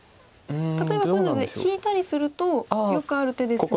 例えばこういうので引いたりするとよくある手ですが。